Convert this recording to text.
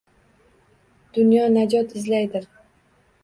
Dunyo najot izlaydir.